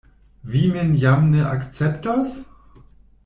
Vi min jam ne akceptos?